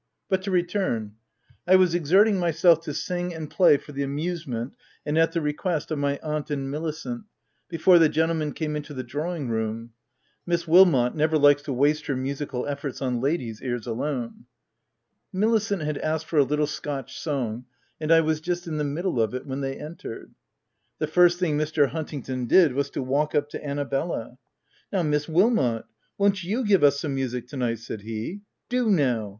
But to return : I was exerting myself to sing and play for the amusement, and at the request of my aunt and Milicent, before the gentlemen came into the drawing room (Miss Wilmot never likes to waste her musical efforts on ladies' ears alone) : Milicent had asked for a little Scotch song, and I was just in the middle of it when they entered. The first thing Mr. Huntingdon did, was to walk up to Annabella :— "Now, Miss Wilmot, won't you give us some music to night ?" said he. w Do now